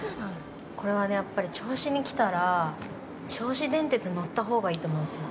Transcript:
◆これはね、やっぱり銚子に来たら銚子電鉄に乗ったほうがいいと思うんですよ。